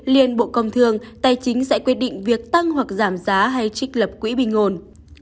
liên bộ công thương tài chính sẽ quyết định việc tăng hoặc giảm giá hay trích lập quỹ bình ổn